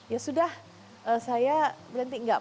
ya sudah saya berhenti